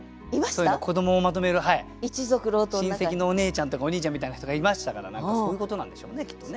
子どもをまとめる親戚のおねえちゃんとかおにいちゃんみたいな人がいましたから何かそういうことなんでしょうねきっとね。